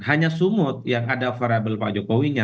hanya sumut yang ada variable pak jokowinya